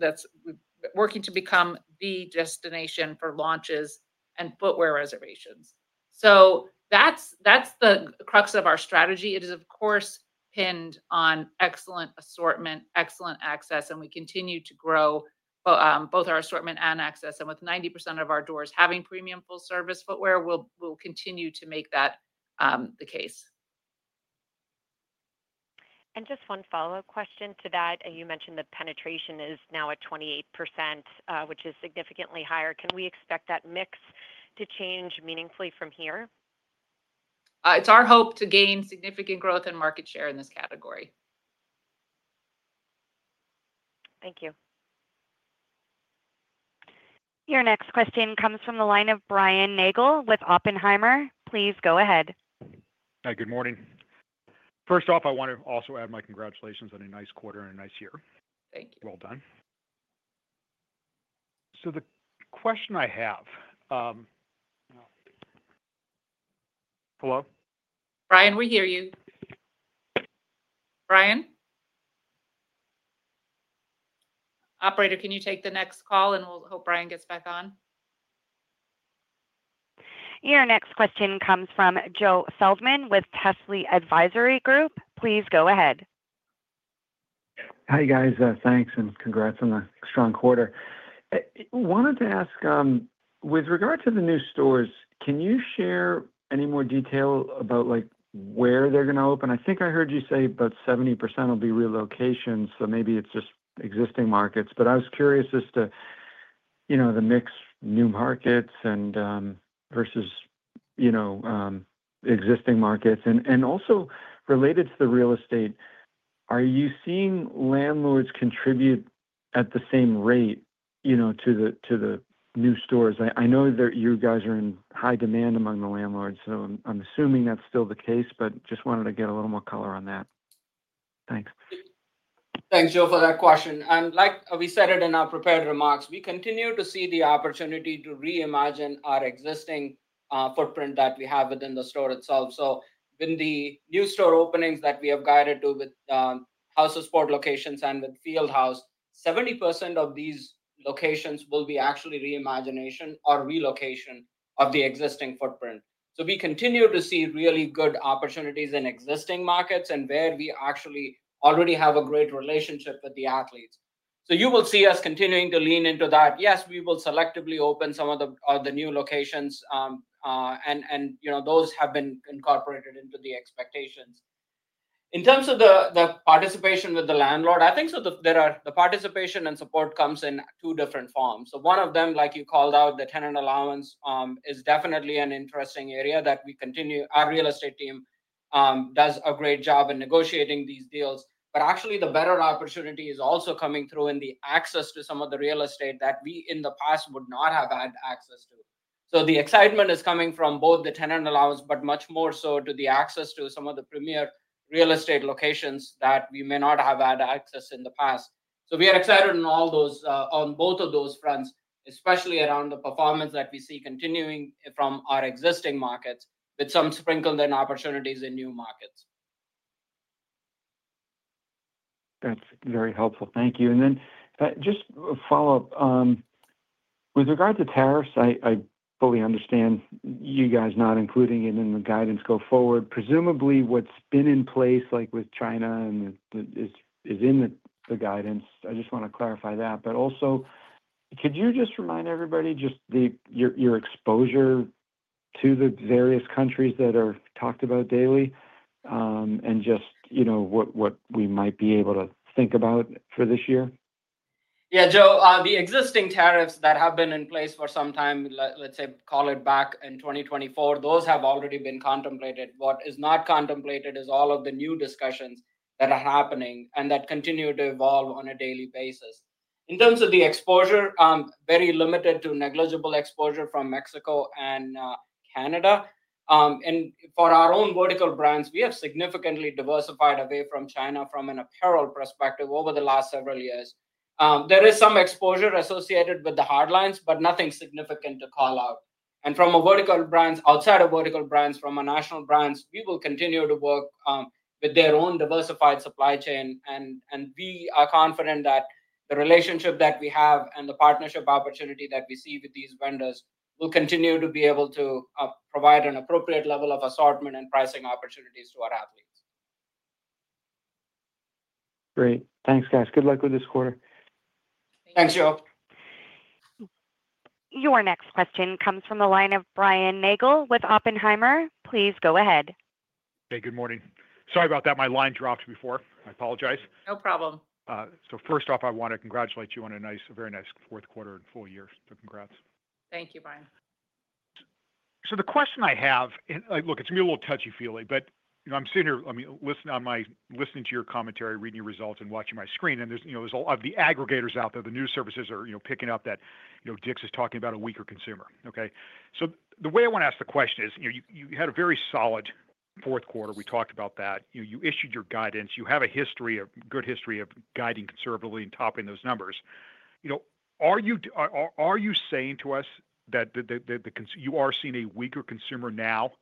working to become the destination for launches and footwear reservations. That is the crux of our strategy. It is, of course, pinned on excellent assortment, excellent access, and we continue to grow both our assortment and access. With 90% of our doors having premium full-service footwear, we will continue to make that the case. Just one follow-up question to that. You mentioned the penetration is now at 28%, which is significantly higher. Can we expect that mix to change meaningfully from here? It's our hope to gain significant growth and market share in this category. Thank you. Your next question comes from the line of Brian Nagel with Oppenheimer. Please go ahead. Hi, good morning. First off, I want to also add my congratulations on a nice quarter and a nice year. Thank you. Well done. The question I have hello. Brian, we hear you. Brian? Operator, can you take the next call, and we'll hope Brian gets back on? Your next question comes from Joe Feldman with Telsey Advisory Group. Please go ahead. Hi guys. Thanks and congrats on a strong quarter. I wanted to ask, with regard to the new stores, can you share any more detail about where they're going to open? I think I heard you say about 70% will be relocations, so maybe it's just existing markets. I was curious as to the mix of new markets versus existing markets. Also related to the real estate, are you seeing landlords contribute at the same rate to the new stores? I know that you guys are in high demand among the landlords, so I'm assuming that's still the case, but just wanted to get a little more color on that. Thanks. Thanks, Joe, for that question. Like we said in our prepared remarks, we continue to see the opportunity to reimagine our existing footprint that we have within the store itself. With the new store openings that we have guided to with House of Sport locations and with Fieldhouse, 70% of these locations will be actually reimagination or relocation of the existing footprint. We continue to see really good opportunities in existing markets and where we actually already have a great relationship with the athletes. You will see us continuing to lean into that. Yes, we will selectively open some of the new locations, and those have been incorporated into the expectations. In terms of the participation with the landlord, I think the participation and support comes in two different forms. One of them, like you called out, the tenant allowance is definitely an interesting area that our real estate team does a great job in negotiating these deals. Actually, the better opportunity is also coming through in the access to some of the real estate that we in the past would not have had access to. The excitement is coming from both the tenant allowance, but much more so to the access to some of the premier real estate locations that we may not have had access to in the past. We are excited on both of those fronts, especially around the performance that we see continuing from our existing markets with some sprinkled in opportunities in new markets. That's very helpful. Thank you. Just a follow-up. With regard to tariffs, I fully understand you guys not including it in the guidance go forward. Presumably, what's been in place, like with China, is in the guidance. I just want to clarify that. Also, could you just remind everybody just your exposure to the various countries that are talked about daily and just what we might be able to think about for this year? Yeah, Joe, the existing tariffs that have been in place for some time, let's say, call it back in 2024, those have already been contemplated. What is not contemplated is all of the new discussions that are happening and that continue to evolve on a daily basis. In terms of the exposure, very limited to negligible exposure from Mexico and Canada. For our own vertical brands, we have significantly diversified away from China from an apparel perspective over the last several years. There is some exposure associated with the hard lines, but nothing significant to call out. From a vertical brands, outside of vertical brands, from a national brands, we will continue to work with their own diversified supply chain. We are confident that the relationship that we have and the partnership opportunity that we see with these vendors will continue to be able to provide an appropriate level of assortment and pricing opportunities to our athletes. Great. Thanks, guys. Good luck with this quarter. Thanks, Joe. Your next question comes from the line of Brian Nagel with Oppenheimer. Please go ahead. Hey, good morning. Sorry about that. My line dropped before. I apologize. No problem. First off, I want to congratulate you on a very nice fourth quarter and full year. So congrats. Thank you, Brian. The question I have, look, it's going to be a little touchy-feely, but I'm sitting here, listening to your commentary, reading your results, and watching my screen. There are all of the aggregators out there, the news services are picking up that Dick's is talking about a weaker consumer. Okay. The way I want to ask the question is, you had a very solid fourth quarter. We talked about that. You issued your guidance. You have a good history of guiding conservatively and topping those numbers. Are you saying to us that you are seeing a weaker consumer now?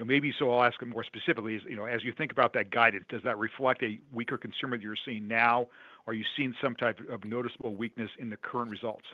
Maybe so I'll ask it more specifically. As you think about that guidance, does that reflect a weaker consumer that you're seeing now? Are you seeing some type of noticeable weakness in the current results?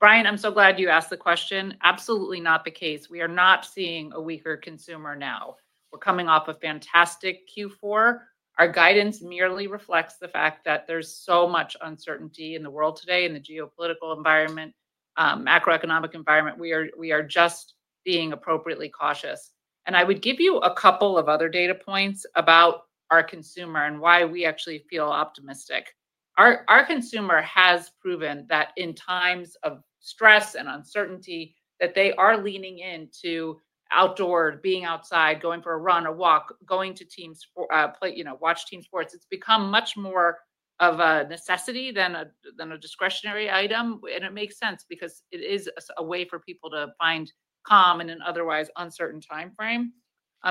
Brian, I'm so glad you asked the question. Absolutely not the case. We are not seeing a weaker consumer now. We're coming off a fantastic Q4. Our guidance merely reflects the fact that there's so much uncertainty in the world today, in the geopolitical environment, macroeconomic environment. We are just being appropriately cautious. I would give you a couple of other data points about our consumer and why we actually feel optimistic. Our consumer has proven that in times of stress and uncertainty, they are leaning into outdoor, being outside, going for a run or walk, going to teams, watch team sports. It's become much more of a necessity than a discretionary item. It makes sense because it is a way for people to find calm in an otherwise uncertain timeframe.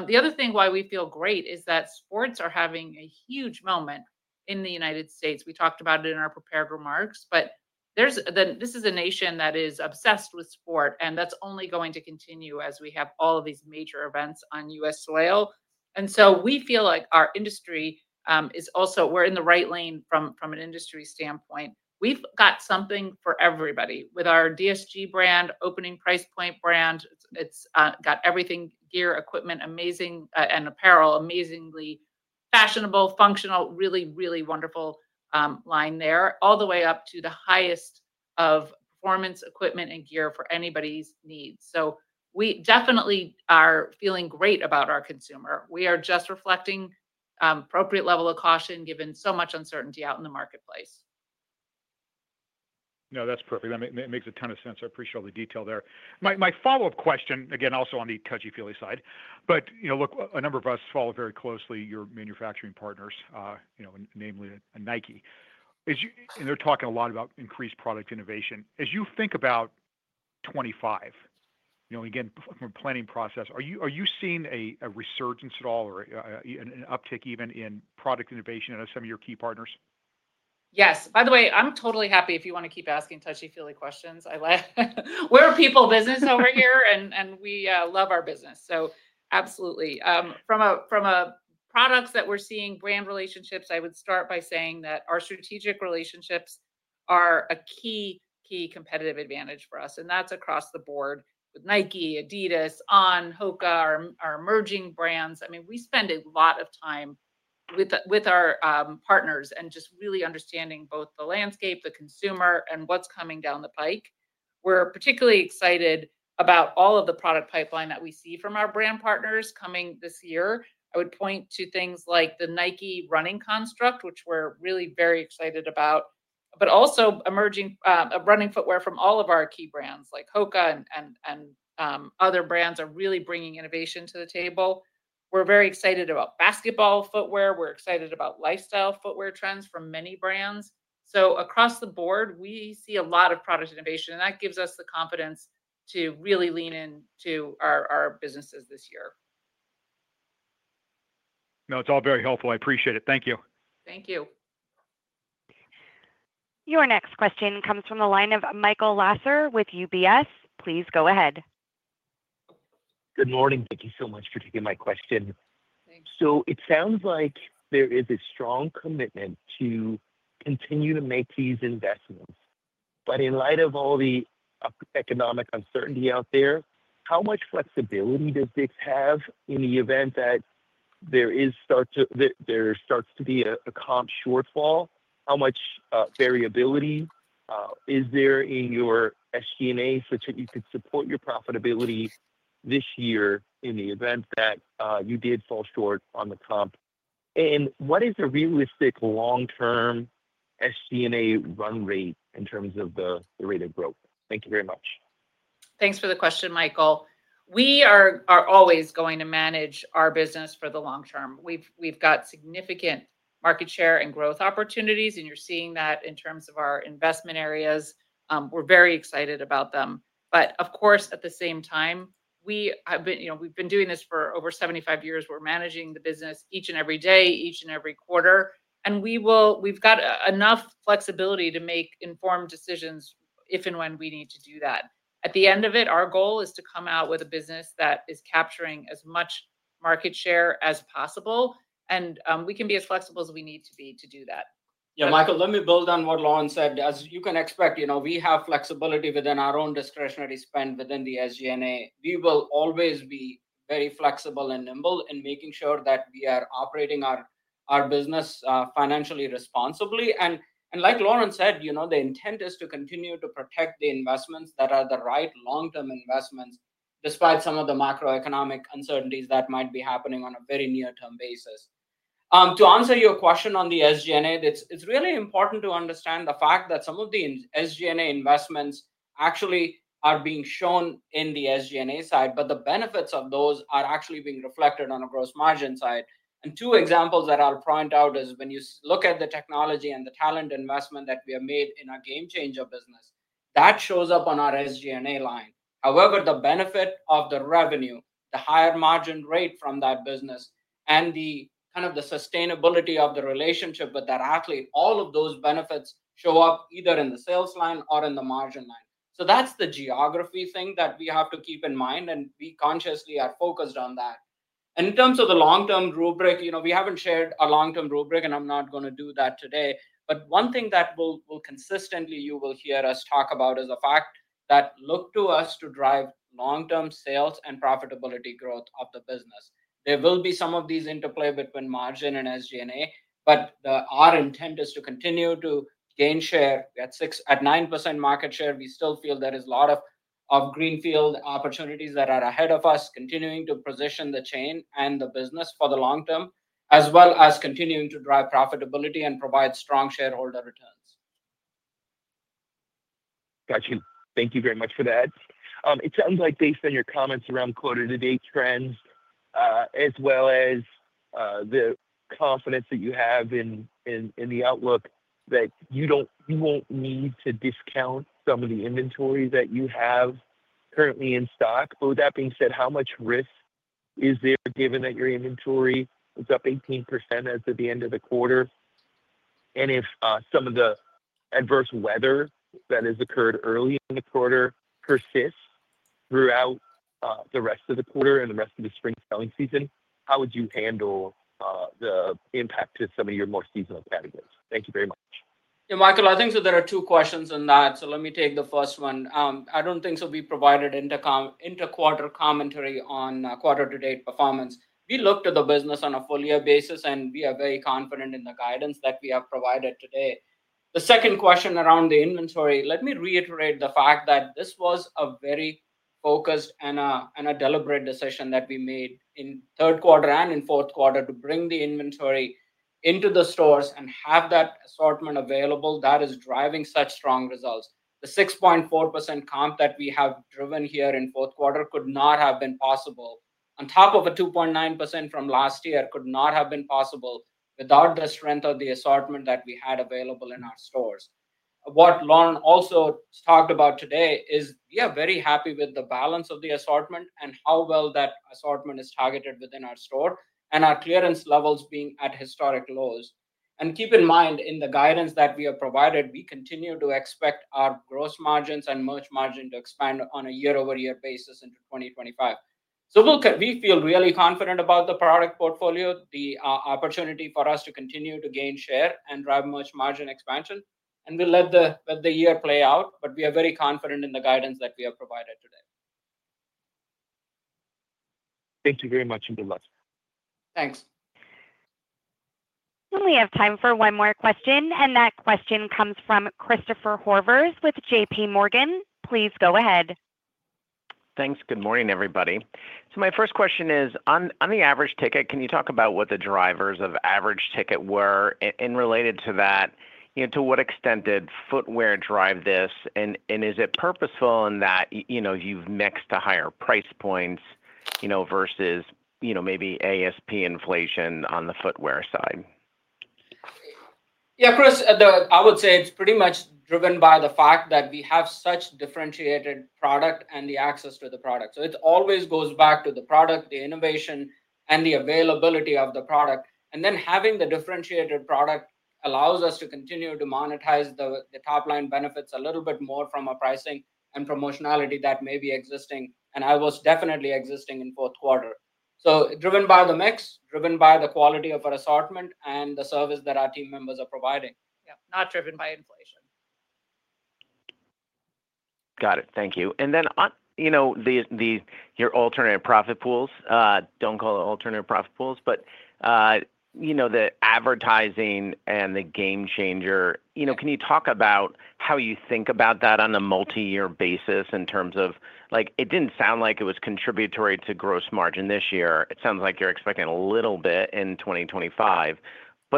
The other thing why we feel great is that sports are having a huge moment in the United States. We talked about it in our prepared remarks, but this is a nation that is obsessed with sport, and that's only going to continue as we have all of these major events on US soil. We feel like our industry is also we're in the right lane from an industry standpoint. We've got something for everybody with our DSG brand, opening price point brand. It's got everything, gear, equipment, amazing, and apparel, amazingly fashionable, functional, really, really wonderful line there, all the way up to the highest of performance equipment and gear for anybody's needs. We definitely are feeling great about our consumer. We are just reflecting an appropriate level of caution given so much uncertainty out in the marketplace. No, that's perfect. That makes a ton of sense. I appreciate all the detail there. My follow-up question, again, also on the touchy-feely side, but look, a number of us follow very closely your manufacturing partners, namely Nike. They're talking a lot about increased product innovation. As you think about 2025, again, from a planning process, are you seeing a resurgence at all or an uptick even in product innovation at some of your key partners? Yes. By the way, I'm totally happy if you want to keep asking touchy-feely questions. We're a people business over here, and we love our business. Absolutely. From products that we're seeing, brand relationships, I would start by saying that our strategic relationships are a key, key competitive advantage for us. That's across the board with Nike, Adidas, On, Hoka, our emerging brands. I mean, we spend a lot of time with our partners and just really understanding both the landscape, the consumer, and what's coming down the pike. We're particularly excited about all of the product pipeline that we see from our brand partners coming this year. I would point to things like the Nike running construct, which we're really very excited about, but also emerging running footwear from all of our key brands like Hoka and other brands are really bringing innovation to the table. We're very excited about basketball footwear. We're excited about lifestyle footwear trends from many brands. Across the board, we see a lot of product innovation, and that gives us the confidence to really lean into our businesses this year. No, it's all very helpful. I appreciate it. Thank you. Thank you. Your next question comes from the line of Michael Lasser with UBS. Please go ahead. Good morning. Thank you so much for taking my question. It sounds like there is a strong commitment to continue to make these investments. In light of all the economic uncertainty out there, how much flexibility does DICK'S have in the event that there starts to be a comp shortfall? How much variability is there in your SG&A such that you could support your profitability this year in the event that you did fall short on the comp? What is a realistic long-term SG&A run rate in terms of the rate of growth? Thank you very much. Thanks for the question, Michael. We are always going to manage our business for the long term. We've got significant market share and growth opportunities, and you're seeing that in terms of our investment areas. We're very excited about them. Of course, at the same time, we've been doing this for over 75 years. We're managing the business each and every day, each and every quarter. We've got enough flexibility to make informed decisions if and when we need to do that. At the end of it, our goal is to come out with a business that is capturing as much market share as possible, and we can be as flexible as we need to be to do that. Yeah, Michael, let me build on what Lauren said. As you can expect, we have flexibility within our own discretionary spend within the SG&A. We will always be very flexible and nimble in making sure that we are operating our business financially responsibly. Like Lauren said, the intent is to continue to protect the investments that are the right long-term investments despite some of the macroeconomic uncertainties that might be happening on a very near-term basis. To answer your question on the SG&A, it's really important to understand the fact that some of the SG&A investments actually are being shown in the SG&A side, but the benefits of those are actually being reflected on a gross margin side. Two examples that I'll point out is when you look at the technology and the talent investment that we have made in our GameChanger business, that shows up on our SG&A line. However, the benefit of the revenue, the higher margin rate from that business, and the kind of sustainability of the relationship with that athlete, all of those benefits show up either in the sales line or in the margin line. That is the geography thing that we have to keep in mind, and we consciously are focused on that. In terms of the long-term rubric, we have not shared a long-term rubric, and I am not going to do that today. One thing that consistently you will hear us talk about is the fact that look to us to drive long-term sales and profitability growth of the business. There will be some of these interplay between margin and SG&A, but our intent is to continue to gain share. At 9% market share, we still feel there is a lot of greenfield opportunities that are ahead of us, continuing to position the chain and the business for the long term, as well as continuing to drive profitability and provide strong shareholder returns. Gotcha. Thank you very much for that. It sounds like based on your comments around quater-to-date trends, as well as the confidence that you have in the outlook that you won't need to discount some of the inventory that you have currently in stock. With that being said, how much risk is there given that your inventory is up 18% at the end of the quarter? If some of the adverse weather that has occurred early in the quarter persists throughout the rest of the quarter and the rest of the spring selling season, how would you handle the impact to some of your more seasonal categories? Thank you very much. Yeah, Michael, I think that there are two questions in that. Let me take the first one. I do not think we provided intra-quarter commentary on quarter-to-date performance. We looked at the business on a full-year basis, and we are very confident in the guidance that we have provided today. The second question around the inventory, let me reiterate the fact that this was a very focused and deliberate decision that we made in Q3 and in Q4 to bring the inventory into the stores and have that assortment available that is driving such strong results. The 6.4% comp that we have driven here in Q4 could not have been possible. On top of a 2.9% from last year, it could not have been possible without the strength of the assortment that we had available in our stores. What Lauren also talked about today is we are very happy with the balance of the assortment and how well that assortment is targeted within our store and our clearance levels being at historic lows. Keep in mind, in the guidance that we have provided, we continue to expect our gross margins and merch margin to expand on a year-over-year basis into 2025. We feel really confident about the product portfolio, the opportunity for us to continue to gain share and drive merch margin expansion. We will let the year play out, but we are very confident in the guidance that we have provided today. Thank you very much and good luck. Thanks. We have time for one more question, and that question comes from Christopher Horvers with JPMorgan. Please go ahead. Thanks. Good morning, everybody. My first question is, on the average ticket, can you talk about what the drivers of average ticket were? Related to that, to what extent did footwear drive this? Is it purposeful in that you've mixed to higher price points versus maybe ASP inflation on the footwear side? Yeah, of course, I would say it's pretty much driven by the fact that we have such differentiated product and the access to the product. It always goes back to the product, the innovation, and the availability of the product. Then having the differentiated product allows us to continue to monetize the top-line benefits a little bit more from a pricing and promotionality that may be existing. It was definitely existing in Q4. Driven by the mix, driven by the quality of our assortment, and the service that our team members are providing. Yeah, not driven by inflation. Got it. Thank you. Your alternative profit pools, do not call it alternative profit pools, but the advertising and the GameChanger, can you talk about how you think about that on a multi-year basis in terms of it did not sound like it was contributory to gross margin this year. It sounds like you are expecting a little bit in 2025.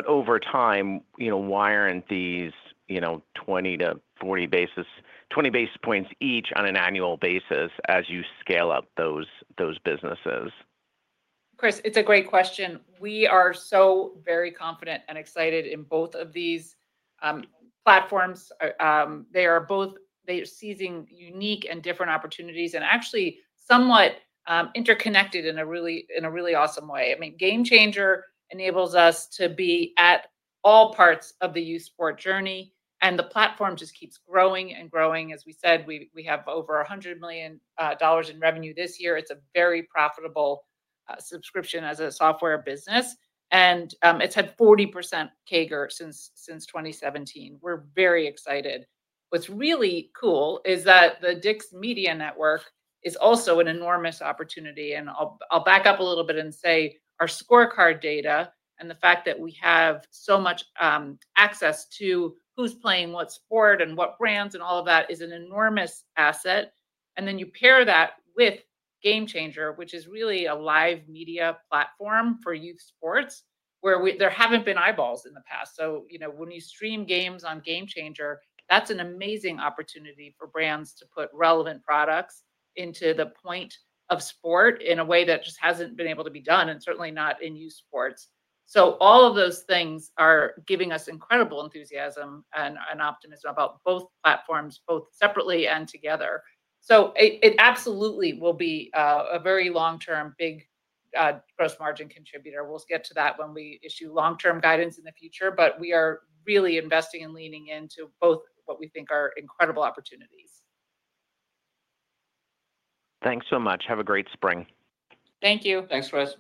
Over time, why are not these 20 to 40 basis points each on an annual basis as you scale up those businesses? Of course, it's a great question. We are so very confident and excited in both of these platforms. They are both seizing unique and different opportunities and actually somewhat interconnected in a really awesome way. I mean, GameChanger enables us to be at all parts of the youth sport journey, and the platform just keeps growing and growing. As we said, we have over $100 million in revenue this year. It's a very profitable subscription as a software business, and it's had 40% CAGR since 2017. We're very excited. What's really cool is that the DICK'S Media Network is also an enormous opportunity. I'll back up a little bit and say our Scorecard data and the fact that we have so much access to who's playing what sport and what brands and all of that is an enormous asset. You pair that with GameChanger, which is really a live media platform for youth sports where there have not been eyeballs in the past. When you stream games on GameChanger, that is an amazing opportunity for brands to put relevant products into the point of sport in a way that just has not been able to be done and certainly not in youth sports. All of those things are giving us incredible enthusiasm and optimism about both platforms, both separately and together. It absolutely will be a very long-term big gross margin contributor. We will get to that when we issue long-term guidance in the future, but we are really investing and leaning into both what we think are incredible opportunities. Thanks so much. Have a great spring. Thank you. Thanks, Chris.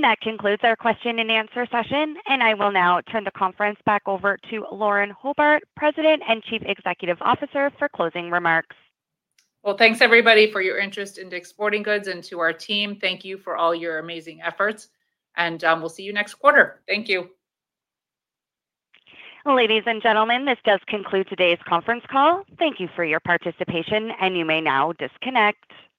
That concludes our question and answer session. I will now turn the conference back over to Lauren Hobart, President and Chief Executive Officer, for closing remarks. Thanks, everybody, for your interest in DICK'S Sporting Goods and to our team. Thank you for all your amazing efforts. We'll see you next quarter. Thank you. Ladies and gentlemen, this does conclude today's conference call. Thank you for your participation, and you may now disconnect.